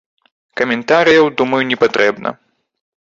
Каментарыяў, думаю, не патрэбна.